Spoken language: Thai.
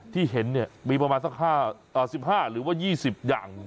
ที่เห็นมีประมาณสัก๑๕หรือว่า๒๐อย่าง